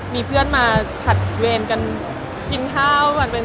มีเพื่อนมาถัดเวศก์ก่อนกินข้าว